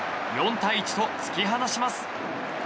４対１と突き放します。